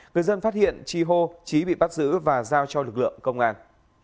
người dân phát hiện chi hô trí bị bắt giữ và giao cho lực lượng công an